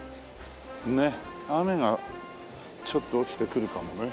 雨がちょっと落ちてくるかもね。